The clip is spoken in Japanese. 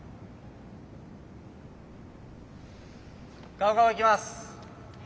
ガオガオいきます。